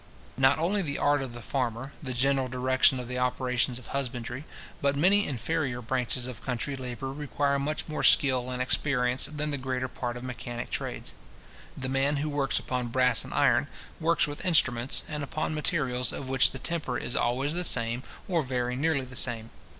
Not only the art of the farmer, the general direction of the operations of husbandry, but many inferior branches of country labour require much more skill and experience than the greater part of mechanic trades. The man who works upon brass and iron, works with instruments, and upon materials of which the temper is always the same, or very nearly the same.